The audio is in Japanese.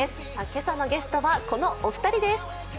今朝のゲストは、このお二人です。